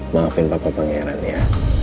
maafin papa pangeran ya